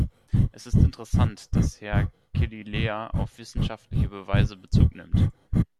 Es ist interessant, dass Herr Killilea auf wissenschaftliche Beweise Bezug nimmt.